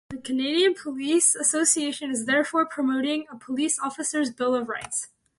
The Canadian Police Association is therefore promoting a "Police Officers' Bill of Rights".